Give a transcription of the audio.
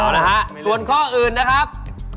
เอาละฮะส่วนข้ออื่นนะครับ